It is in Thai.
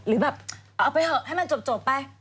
หรือแบบเอาไปเถอะให้มันจบไป